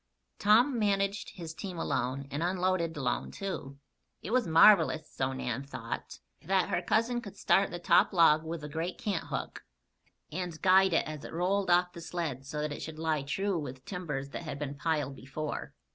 Tom managed his team alone, and unloaded alone, too. It was marvelous (so Nan thought) that her cousin could start the top log with the great canthook, and guide it as it rolled off the sled so that it should lie true with timbers that had been piled before.